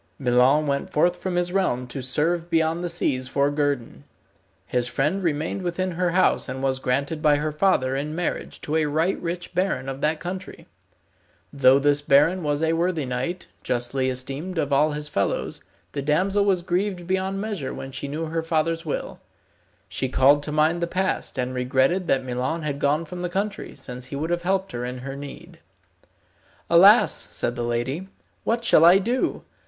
Milon went forth from his realm to serve beyond the seas for guerdon. His friend remained within her house and was granted by her father in marriage to a right rich baron of that country. Though this baron was a worthy knight, justly esteemed of all his fellows, the damsel was grieved beyond measure when she knew her father's will. She called to mind the past, and regretted that Milon had gone from the country, since he would have helped her in her need. "Alas!" said the lady, "what shall I do?